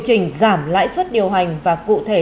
chỉnh giảm lãi suất điều hành và cụ thể